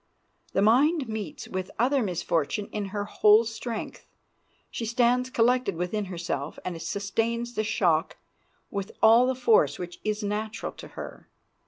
The mind meets with other misfortune in her whole strength; she stands collected within herself and sustains the shock with all the force which is natural to her.